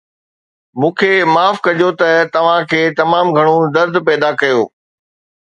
مون کي معاف ڪجو ته توهان کي تمام گهڻو درد پيدا ڪيو